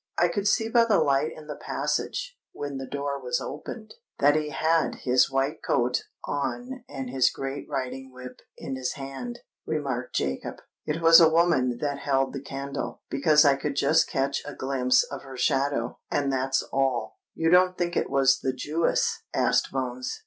"I could see by the light in the passage, when the door was opened, that he had his white coat on and his great riding whip in his hand," remarked Jacob. "It was a woman that held the candle—because I could just catch a glimpse of her shadow, and that's all." "You don't think it was the Jewess?" asked Bones.